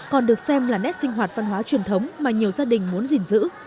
còn được xem là nét sinh hoạt văn hóa truyền thống mà nhiều gia đình muốn gìn giữ